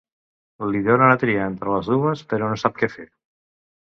Li donen a triar entre les dues, però no sap què fer.